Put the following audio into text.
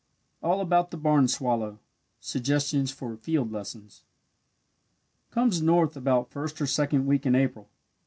ALL ABOUT THE BARN SWALLOW SUGGESTIONS FOR FIELD LESSONS Comes north about first or second week in April.